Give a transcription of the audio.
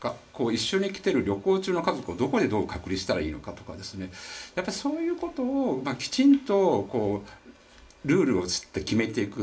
一緒に来ている旅行中の家族をどこにどう隔離したらいいのかとかそういうことをきちんとルールを決めていく。